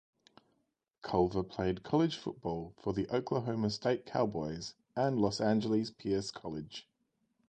Culver played college football for the Oklahoma State Cowboys and Los Angeles Pierce College.